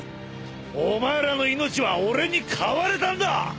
お前らの命は俺に買われたんだ！